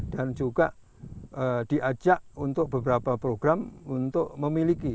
juga diajak untuk beberapa program untuk memiliki